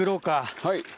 はい。